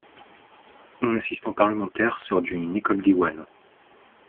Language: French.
Mon assistant parlementaire sort d’une école Diwan.